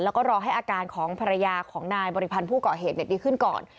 แล้วก็รอให้อาการของภรรยาของนายบริพันธ์ผู้เกาะเหตุดีขึ้นก่อน